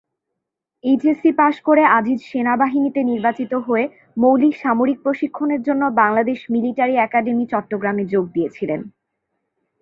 HSC পাশ করে আজিজ সেনাবাহিনীতে নির্বাচিত হয়ে মৌলিক সামরিক প্রশিক্ষণের জন্য বাংলাদেশ মিলিটারি একাডেমি চট্টগ্রামে যোগ দিয়েছিলেন।